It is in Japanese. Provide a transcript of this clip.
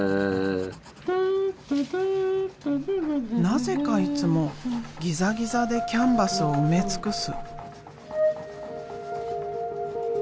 なぜかいつもギザギザでキャンバスを埋め尽くす。